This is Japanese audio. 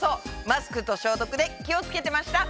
マスクと消毒で気を付けてました！